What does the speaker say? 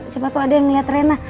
coba tuh ada yang liat rena